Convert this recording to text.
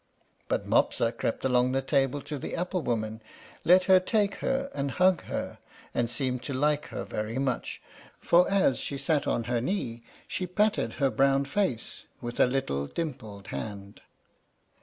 But Mopsa crept along the table to the apple woman, let her take her and hug her, and seemed to like her very much; for as she sat on her knee, she patted her brown face with a little dimpled hand.